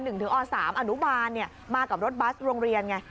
ถึงอ๓อนุบาลมากับรถบัสโรงเรียนไง